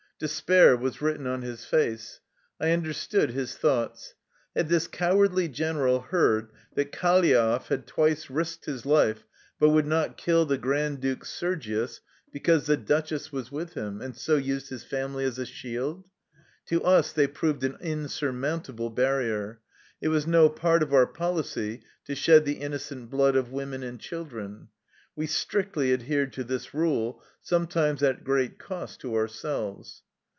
Despair was written on his face. I understood his thoughts. Had this cowardly general heard that Kalyaev had twice risked his life, but would not kill the Grand Duke Sergius because the duchess was with him, and so used his family as a shield? To us they proved an insurmountable barrier. It was no part of our policy to shed the innocent blood of women and children. We strictly adhered to this rule, sometimes at great cost to ourselves.